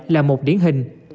là một điển hình